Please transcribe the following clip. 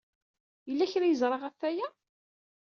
Yella kra ay yeẓra ɣef waya?